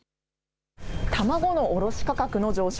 卵の卸価格の上昇。